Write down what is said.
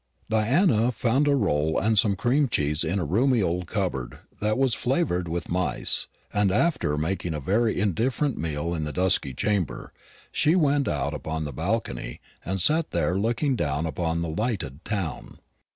Diana found a roll and some cream cheese in a roomy old cupboard that was flavoured with mice; and after making a very indifferent meal in the dusky chamber, she went out upon the balcony, and sat there looking down upon the lighted town.